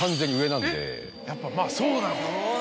やっぱそうなんだ。